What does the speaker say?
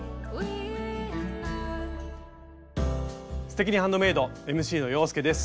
「すてきにハンドメイド」ＭＣの洋輔です。